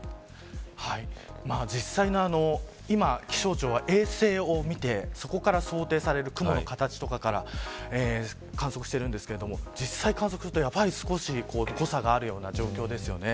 実際の、今、気象庁は衛星を見て、そこから想定される雲の形とかから観測しているんですけれども実際、観測するとやっぱり少し誤差があるような状況ですよね。